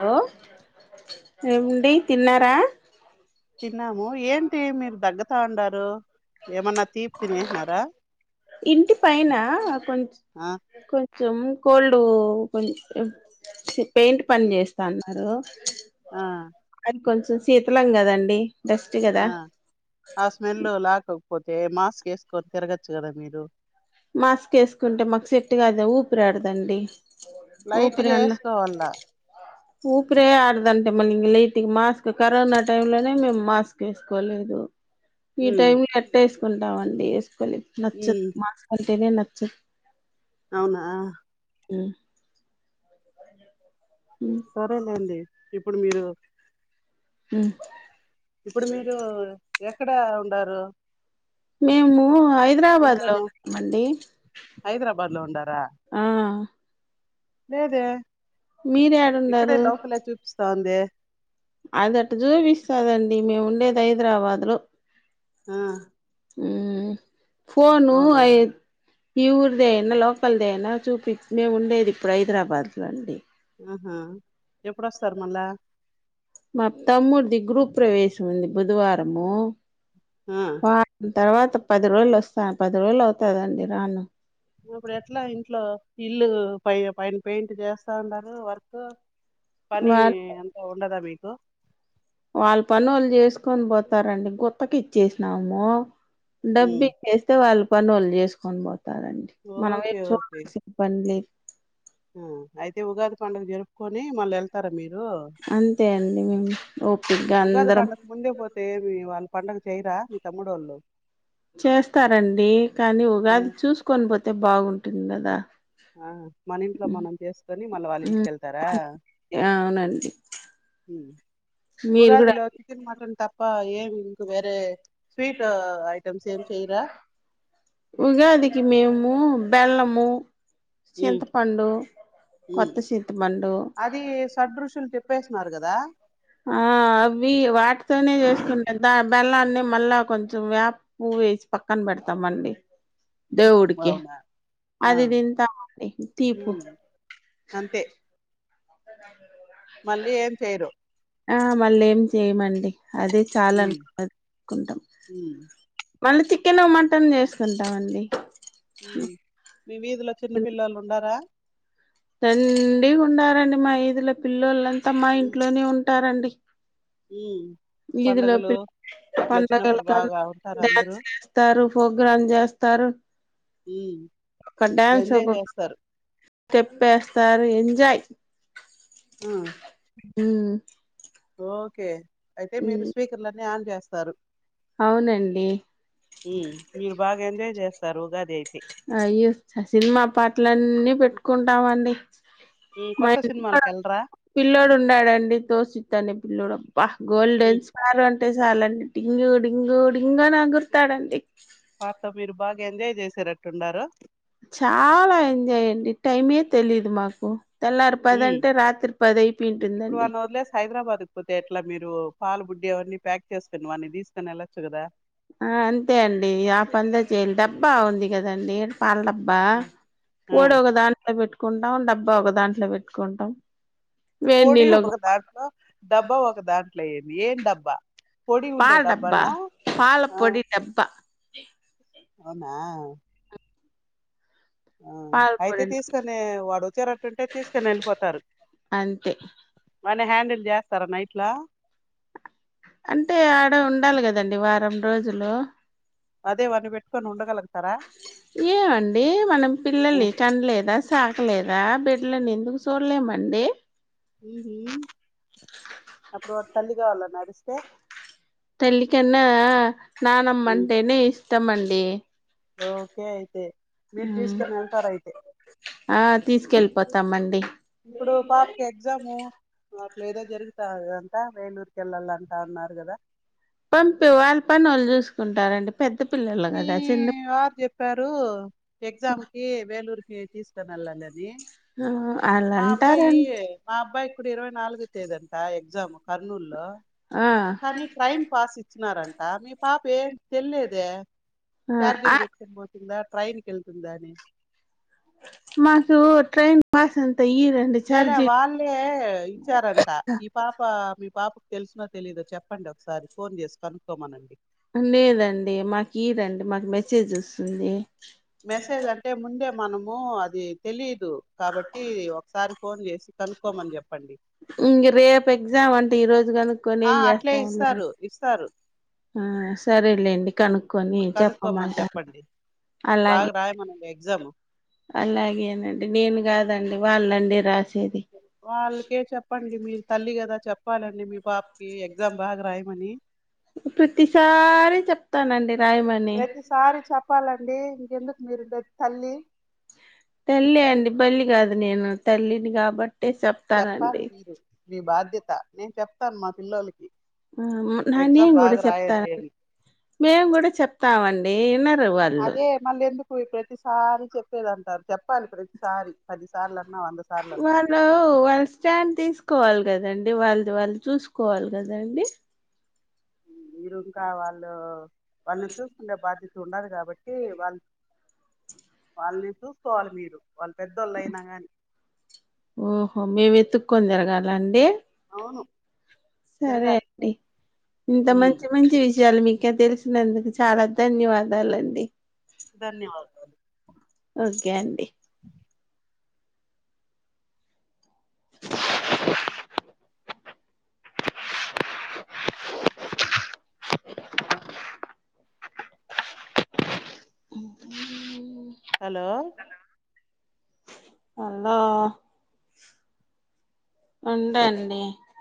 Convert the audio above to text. Hello ఎమ్ డి తిన్నారా తిన్నాము ఏంటి మీరు దగ్గతా ఉండారు ఏమన్నా తీపి తినేసినారా ఇంటి పైన కొంచ్ ఆ కొంచెం కోల్డ్ కొం పెయింట్ పని ఇ- చేస్తాన్నారు ఆ కొంచెం శీతలం కదండి డస్ట్ కదా ఆ ఆ స్మెల్ లాక్ అవు పోతే మాస్క్ ఎసుకొని తిరగచ్చు కదా మీరు మాస్క్ ఎసుకుంటే మాకు సేట్టు కాదు ఊపిరాడదండి లైట్గా ఎసుకోవుండా ఊపిరే ఆడదంటే మళ్ళీ ఇంగ లైట్ మాస్క్ కరోనా టైం లోనే మేము మాస్క్ ఎసుకోలేదు ఈ ఉమ్ టైమ్ కటైసు కుంటామండి ఎస్ నచ్చదు ఉమ్ మాస్క్ కంటేనే న చ అవునా ఉ సరేలేండి ఇప్పుడు మీరు ఇప్పుడు మీరు ఎక్కడ ఉండారు మేము హైదరాబాద్ లో ఇంట్లోనే న్నమండి హైదరాబాద్ లో ఉండా ఆ లేేదే ఇక్కడే మీరేడుండారు లోకలే చూపిస్తాంది అదట్టా చూపిస్తదండి మేము ఉండేది హైదరాబాద్ లో ఆ ఉహ్ ఫోను అవునా ఐ ఈ ఊరిదేనా లోకల్దేనా చూపి మేము ఉండేది ఇప్పుడు హైదరాబాద్ లో అండి ఆహా ఎప్పుడోస్తారు మళ్ళా మా తమ్ముడిది గ్రూప్రవేశం ఉంది బుదవారము ఆ వ తర్వాత పది రోజులు వస్త పది రోజులు అవుతదండి రాను త ఇప్పుడు ఎట్ల ఇంట్లో ఇల్లు పై పైన పెయింట్ చేస్తాఉండారు వర్క్ పని ఎంత ఉండద మీకు కు వాళ్ళు పనోళ్లు చేసుకొని పోతారండి గుత్తకి ఇచ్చేసినాము ఉమ్. డబ్బిగే స్తే వాళ్ళు పనొలు చేసుకొని పో తారండి మనం ఓకే ఏం ఓకే చూడాల్సిన పని లేదు ఆ అయితే ఉగాది పండుగ జరుపుకొని మళ్ళీ ఎళ్తారా మీరు అంతే అండి మేము ఓపికగా ఉగాది అందరం పండుగ ముందే పోతే ఏమి వాళ్ళు పండుగ చేయరా మీ తమ్ముడోళ్ళు చేస్తారండి కానీ ఆ ఉగాది చూసుకొని పోతే బాగుంటుంది టి కదా ఆ మన ఇంట్లో హ్మ్. మనం చేసుకొని మళ్ళ వాళ్ళ ఇంటికి హ్మ్. వెళ్తారా అవునండి మీరు కూడా ఉగాదిలో చికెన్ మటన్ త ప ఏం వేరె స్వీట్ ఐటమ్స్ ఏం చేయరా ఉగాదికి మేము బెల్లము ఉమ్, చింతపండు ఉమ్. కొత్త చింతపండు న్నారు కదా ఆ అవి వాటితోనే చేసుకుంటాం దా బెల్లాన్ని మళ్ళా కొంచెం వేపు వేసి పక్కన పెడతాం అండి దేవుడ్కి అవునా ఆ అదిదింత తీపు హ్మ్ అంతే మళ్ళీ ఏం చెయరు ఆ మళ్ళ ఏం చేయమండి అదే చాలా హ్మ్ అనుకు అనుకుంటాం హ్మ్ మళ్ళీ చికెన్ మటన్ చేసుకుంటాండి అ మీ వీధిలో చిన్న పిల్లలు ఉండారా దండిగా ఉండారండి మా ఇదుల పిల్లొలు మా ఇంట్లోనే ఉ ట్ట రండి ఉ వీధిలో పిల్ల వచ్చినప్పుడు పండగలకు బాగా ఉంటారు అందరూ డ్యాన్స్ చేస్తారు ప్రోగ్రామ్ చేస్తారు హ్మ్ ఒక డ్యాన్స్ ఎంజాయ్ ఒక చేస్తారు పస్తారు ఎంజయ్ ఆ ఉ ఓకే అయితే మీరు స్పీకర్లన్నీ ఆన్ చేస్తారు అవునండి మీరు బాగా ఎంజాయ్ చేస్తారు ఉగాది అయితే అయ్యో స- సినిమా పాటలన్నీ పెట్టుకుంటామండి హ్మ్ మ కొత్త సినిమాలకు వెళ్ళరా పిల్లడు ఉన్నాడండి కౌశిక్ అనే పిల్లుడుబ్ పహ్ గోల్డెన్ హ్మ్ స్పార్ అంటే చాలండి డింగు డింగు డింగ అని ఎగురుతాడండి పాతో మీరు బాగా ఎంజాయ్ చేసేరట్టున్నారు చాలా ఎంజాయ్ అండి టైమే తెలీదు మాకు తెల్లారు హ్మ్ పదంటే రాత్రి పదయిపోంటుందండి అట్లా మీరు పాల బుడ్డి అవన్నీ ప్యాక్ చేసుకొని వాని తీసుకొని వెళ్లచ్చు కదా ఆ అంతే అండి ఆ పందా చేయాలి బ్బా ఉంది గదా నేట్ పాలడబ్బా ఆ ఆ పడి ఒక దాంట్లో పెట్టు పెట్టుకుంటాం డబ్బా ఒక దాంట్లో పెట్టుకుంటాం వేడి పొడి నీళ్ళు ఒక దాంట్లో డబ్బా ఒక దాంట్లోయం ఏ డబ్బా పొడి ఉండే పాల డబ్బా డబ్బానా పాల ఆ పొడి డబ్బా అవునా ఆ పాల అయితే పొడి తీసుకొని వాడుొచ్చారట్టుంటే తీసుకని వెళ్ళిపోతారు అంతే మన హ్యాండిల్ చేస్ సారే నైట్లా అంటే ఆడ ఉండాలి కదండి వారం రోజులు అదే వాని పెట్టుకొని ఉండగలుగుతారా ఏమండి మనం పిల్లల్ని ఉమ్, కం లేదా సాక లేదా బెడ్ ఎందుకు చూడలే మండే మ్ అప్పుడు తల్లి కావాల నడిస్తే తల్లి కన్నా ఉమ్, నానమ్మంటేనే ఇష్టమండి ఓకే అయితే మీరు తీసుకుని వెళ్తార అయితే కొత్తమ్మండి ఇప్పుడు పాపకి ఎగ్జాము అట్లా ఏదో జరుగుతాంతా వేలూరుకి వెళ్ళాలంటా ఉన్నారు కదా పంపి వాళ్ళ పను వాళ్ళు చూసుకుంటారండి పెద్ద పిల్లలు మీ కదా చిన్న వారు చెప్పారు ఎగ్జామ్ కి వేలూరుకిి తీసుకు త నల్లంగ అది వాళ్ళు మా అబ్బాయి అంటారండి మా అబ్బాయిక్కుడ ఇరవై నాలుగు తేదంతా ఎగ్జాము ఆ కానీ ట్రైన్ పాస్ ఇచ్చ్నారంట మీ పాప ఏం తెల్లేదే ఆ చార్జీలు పెట్ట్కొని పోతుందా. ట్రైన్ కెళ్తుందాని మాకు ట్రైన్ పాసు లే లే వాల్లే ఇచ్చారంటా ఈ పాప మీ పాప్ తెలుస్నో తెలీదో చెప్పండి ఒకసారి ఫోన్ చేసి కనుక్కోమనండి. అలేదండి మాకు ఈరండి మాకు మెసేజ్ వస్సుంది. మెసేజ్ అంటే ముందే మనము అది తెలిద్. దు కాబట్టి ఒకసారి ఫోన్ చేసి కనుక్కొమని చెప్పండి. జు కనుక్కొని ఆ ఎం అట్లే జేస్తాం అందరం. ఇస్తారు ఇస్తారు ఆ సరేలేండి కనుక్కొని ఇప్పుడు కనుక్కోమని చెప్పమంటాను, చెప్పండి బాగా అలాగే రాయమనండి ఎగ్జామ్ అలాగేనండి నేను కాదండి. ఇవాళ్ళండి రాస్ వాళ్ళకే చెప్పండి మీ తల్లి కదా చెప్పాలండి మీ పాప్కి ఎగ్జామ్ బాగా రాయమని ప్రతిసారి చెప్తానండి రాయమని ప్రతిసారి చెప్పాలండి ఇంకెందుకు మీరు ద తల్లె అండి బళ్ళి కాద్ నేను తల్లిని కాబ చెప్పాలి మీరు మీ బాధ్య త నేను చెప్తాను మా పిల్లోల్లకి హ నా నేం కూడా చెప్తా, అని మేం గుడా చెప్తామండి. ఏనర్ అదే మళ్ళెందు కుయ్ ప్రతిసారి చెప్పేది అంటారు చెప్ సార్లు అన్నా వాళ్ళు వాళ్ళ స్టాండ్ తీసుకోవాల్ కదం. డి వాళ్ళద్ వాళ్ళు చూసుకోవాలి కదండి. మీరు ఇంకా వాళ్ళు వాళ్ళన్ చూసుకుండే బాధ్య చు ఉండాది గ బట్టి వాళ్ళ్ వాళ్ళ్ని చూసుకోవాలి మీరు వాళ్ళు పెద్దోళ్ళైన కాని కొ తిరిగలండి అవును సరే తిరగాలి అండి ఇంత మంచి మంచి విషయాలు మీకు ఇంకా తెలిసినందుకు చాలా ధన్యవాదాలండి ధన్యవాదాలు ఓకే అండి హలో హలో ఉంటాండి